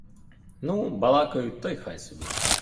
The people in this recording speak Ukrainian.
Ну, балакають, то й хай собі.